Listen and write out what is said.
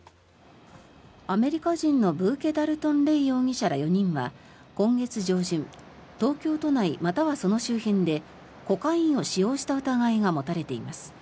アメリカ人のブーケ・ダルトン・レイ容疑者ら４人は今月上旬東京都内またはその周辺でコカインを使用した疑いが持たれています。